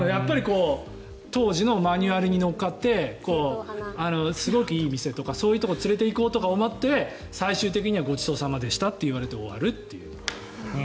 当時のマニュアルに乗っかってすごくいい店とかそういうところに連れて行こうとか思って最終的にはごちそうさまでしたって言われて終わるっていう。